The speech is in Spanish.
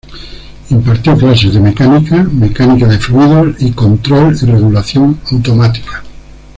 Impartió clases de Mecánica, Mecánica de Fluidos y Control y Regulación automática.